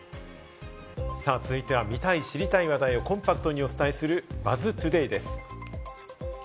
続いては見たい、知りたい話題をコンパクトにお伝えする「ＢＵＺＺＴＯＤＡＹ」です。